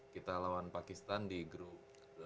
kita lawan pakistan di grup